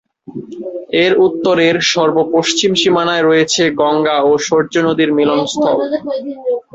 এর উত্তরের সর্ব-পশ্চিম সীমানায় রয়েছে গঙ্গা ও সরজু নদীর মিলনস্থল।